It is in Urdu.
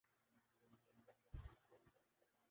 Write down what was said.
چیئرمین پیس بی کی نیوزی لینڈ کو دورہ پاکستان کی پیشکش